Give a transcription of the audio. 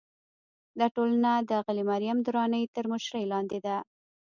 دا ټولنه د اغلې مریم درانۍ تر مشرۍ لاندې ده.